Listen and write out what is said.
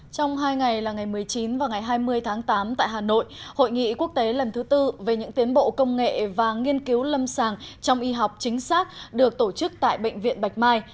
trong hai ngày là ngày một mươi chín và ngày hai mươi tháng tám tại hà nội hội nghị quốc tế lần thứ tư về những tiến bộ công nghệ và nghiên cứu lâm sàng trong y học chính xác được tổ chức tại bệnh viện bạch mai